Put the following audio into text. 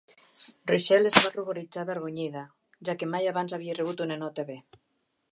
Rachel es va ruboritzar, avergonyida, ja que mai abans havia rebut una nota B.